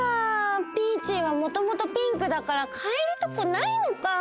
ピーチーはもともとピンクだからかえるとこないのかぁ。